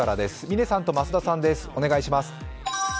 嶺さんと増田さんです。